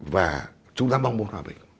và chúng ta mong muốn hòa bình